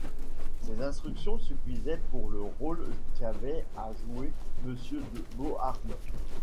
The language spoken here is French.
Ces instructions suffisaient pour le rôle qu'avait à jouer Monsieur de Beauharnais.